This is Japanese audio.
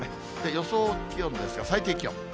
予想気温ですが、最低気温。